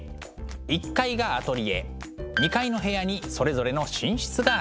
１階がアトリエ２階の部屋にそれぞれの寝室がありました。